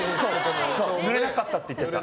ぬれなかったって言ってた。